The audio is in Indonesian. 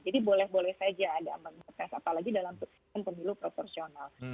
jadi boleh boleh saja ada ambang batas apalagi dalam sistem pemilu proporsional